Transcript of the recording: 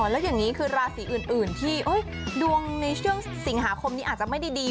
แล้วอย่างนี้คือราศีอื่นที่ดวงในช่วงสิงหาคมนี้อาจจะไม่ได้ดี